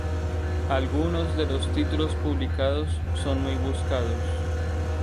Algunos de los títulos publicados son muy buscados.